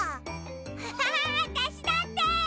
アハハわたしだって！